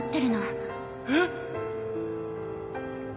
えっ！？